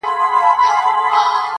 خړي وریځي پر اسمان باندي خپرې وې!!